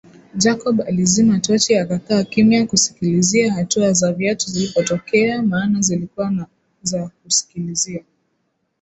Jacob alizima tochi akakaa kimya kusikilizia hatua za viatu zilipotokea maana zilikuwa za kusikilizia